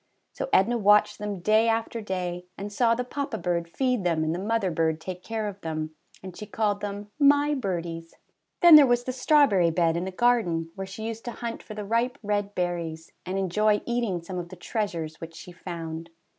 So Edna watched them day after day, and saw the papa bird feed them and the mother bird take care of them, and she called them ^^my birdies." Then there was the strawberry bed in the garden, where she used to hunt for the ripe red berries, and enjoy eating some of the treasures which she found.